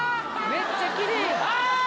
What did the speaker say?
めっちゃきれいやん。